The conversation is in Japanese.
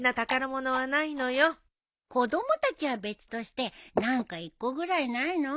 子供たちは別として何か１個ぐらいないの？